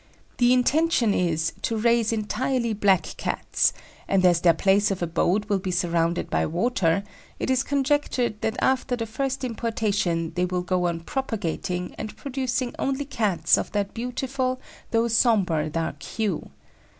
The intention is to raise entirely black Cats; and as their place of abode will be surrounded by water, it is conjectured that after the first importation they will go on propagating and producing only Cats of that beautiful though sombre dark hue.